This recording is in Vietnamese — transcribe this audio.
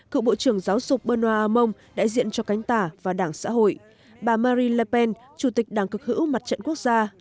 cựu bộ trưởng giáo dục benoit hamon đại diện cho cánh tả và đảng xã hội bà marie le pen chủ tịch đảng cực hữu mặt trận quốc gia